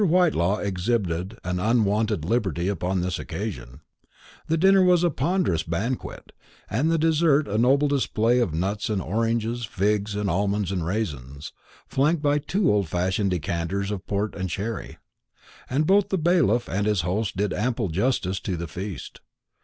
Whitelaw exhibited an unwonted liberality upon this occasion. The dinner was a ponderous banquet, and the dessert a noble display of nuts and oranges, figs and almonds and raisins, flanked by two old fashioned decanters of port and sherry; and both the bailiff and his host did ample justice to the feast.